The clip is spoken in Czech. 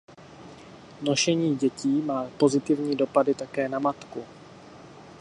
Nošení dětí má pozitivní dopady také na matku.